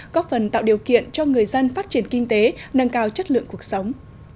góp phần tạo điều kiện cho người dân phát triển kinh tế nâng cao chất lượng cuộc sống